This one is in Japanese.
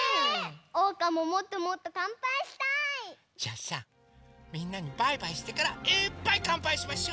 おうかももっともっとかんぱいしたい！じゃあさみんなにバイバイしてからいっぱいかんぱいしましょ！